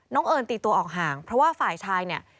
เอิญตีตัวออกห่างเพราะว่าฝ่ายชายเนี่ย